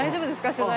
取材。